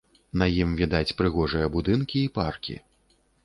На ім відаць прыгожыя будынкі і паркі.